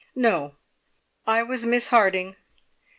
"No! I was Miss Harding.